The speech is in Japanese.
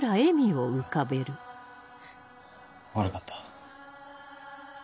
あ悪かった。